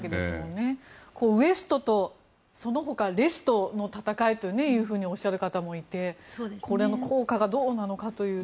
ウエストと、そのほかのレストという戦いとおっしゃる方もいて効果がどうなのかという。